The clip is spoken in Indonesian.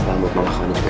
selamat malam kawan kawan